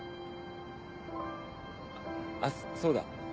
あっそうだ。